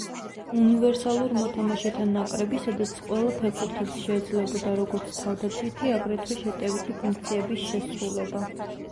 უნივერსალურ მოთამაშეთა ნაკრები, სადაც ყველა ფეხბურთელს შეეძლებოდა როგორც თავდაცვითი, აგრეთვე შეტევითი ფუნქციების შესრულება.